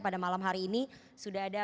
pada malam hari ini sudah ada